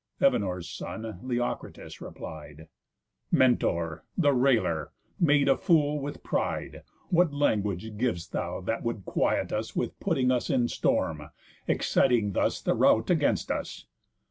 Evenor's son, Leocritus, replied: "Mentor! the railer, made a fool with pride, What language giv'st thou that would quiet us With putting us in storm, exciting thus The rout against us?